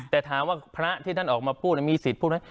แต่ถามว่าพระที่ท่านออกมาพูดมีสิทธิ์พูดไหม